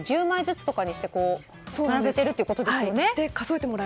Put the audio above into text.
１０枚ずつとかにして並べているということですよね。